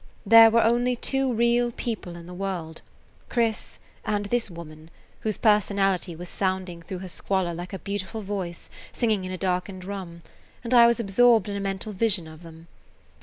There were only two real people in the world, Chris and this woman whose personality was sounding through her squalor like a beautiful voice singing [Page 90] in a darkened room, and I was absorbed in a mental vision of them.